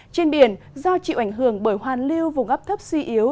trên biển do chịu ảnh hưởng bởi hoàn lưu vùng ấp thấp suy yếu